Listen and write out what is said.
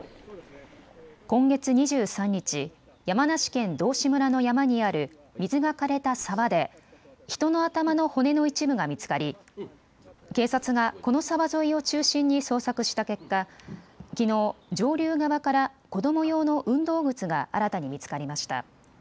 今月２３日、山梨県道志村の山にある水がかれた沢で人の頭の骨の一部が見つかり警察がこの沢沿いを中心に捜索した結果、きのう上流側から子ども用の運動靴が新たに見つかりました。